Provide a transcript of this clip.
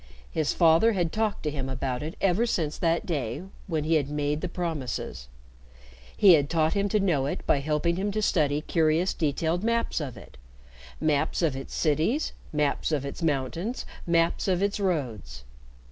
His father had talked to him about it ever since that day when he had made the promises. He had taught him to know it by helping him to study curious detailed maps of it maps of its cities, maps of its mountains, maps of its roads.